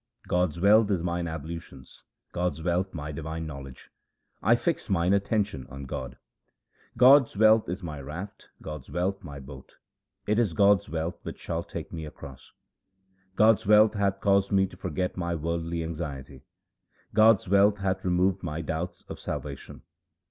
God's wealth is mine ablutions, God's wealth my divine knowledge ; I fix mine attention on God. God's wealth is my raft, God's wealth my boat ; it is God's wealth which shall take me across. God's wealth hath caused me to forget my worldly anxiety; God's wealth hath removed my doubts of salvation.